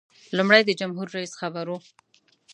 لومړی د جمهور رئیس خبر و.